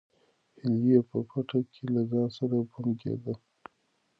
هیلې په پټه کې له ځان سره بونګېده.